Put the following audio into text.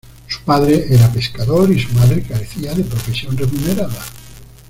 Su padre era pescador y su madre carecía de profesión remunerada.